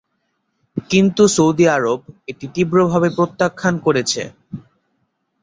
কিন্তু সৌদি আরব এটি তীব্রভাবে প্রত্যাখান করেছে।